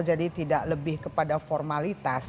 jadi tidak lebih kepada formalitas